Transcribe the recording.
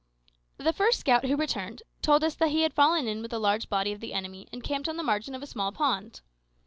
The first scout who returned told us that he had fallen in with a large body of the enemy encamped on the margin of a small pond.